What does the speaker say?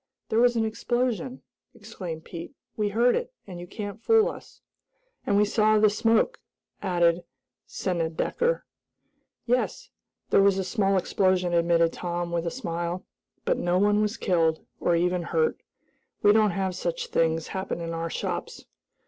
"There was an explosion!" exclaimed Pete. "We heard it, and you can't fool us!" "And we saw the smoke," added Snedecker. "Yes, there was a small explosion," admitted Tom, with a smile, "but no one was killed; or even hurt. We don't have such things happen in our shops."